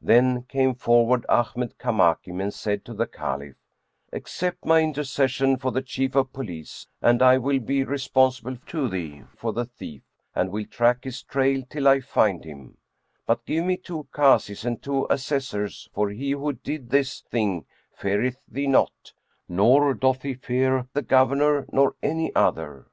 Then came forward Ahmad Kamakim and said to the Caliph, "Accept my intercession for the Chief of Police, and I will be responsible to thee for the thief and will track his trail till I find him; but give me two Kazis and two Assessors for he who did this thing feareth thee not, nor cloth he fear the Governor nor any other."